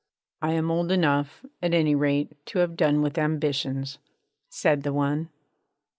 'I am old enough, at any rate, to have done with ambitions,' said the one.